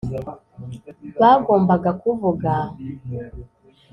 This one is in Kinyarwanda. bagombaga kuvuga